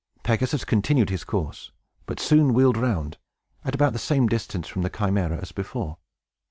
Pegasus continued his course, but soon wheeled round, at about the same distance from the Chimæra as before.